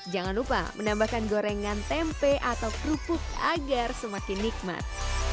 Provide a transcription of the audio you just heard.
jangan lupa menambahkan gorengan tempe atau kerupuk agar semakin nikmat